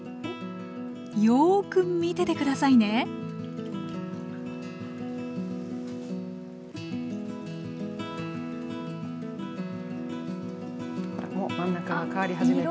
よく見てて下さいねほらもう真ん中が変わり始めた。